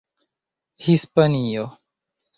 hispanio